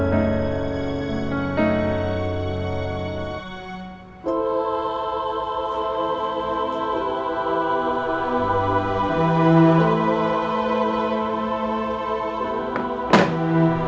nih kita mau ke sana